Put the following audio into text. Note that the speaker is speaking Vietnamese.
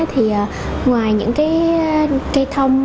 thì ngoài những cây thông